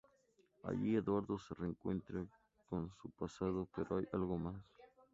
Allí Eduardo se reencuentra con su pasado, pero hay algo más.